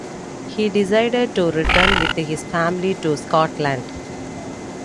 He decided to return, with his family, to Scotland.